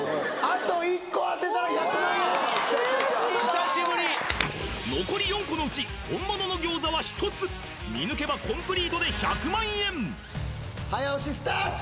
あときたきたきた久しぶり残り４個のうち本物の餃子は１つ見抜けばコンプリートで１００万円早押しスタート！